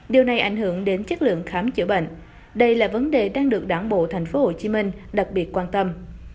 điều này ảnh hưởng đến chất lượng khám chữa bệnh đây là vấn đề đang được đảng bộ tp hcm đặc biệt quan tâm